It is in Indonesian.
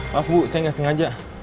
pak bu saya nggak sengaja